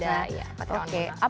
iya ada patriawan juga